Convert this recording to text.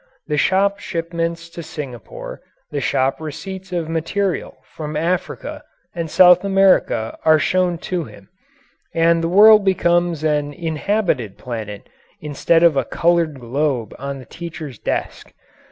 The shop shipments to Singapore, the shop receipts of material from Africa and South America are shown to him, and the world becomes an inhabited planet instead of a coloured globe on the teacher's desk.